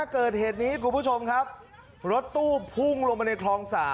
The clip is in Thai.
เกิดเหตุนี้คุณผู้ชมครับรถตู้พุ่งลงไปในคลอง๓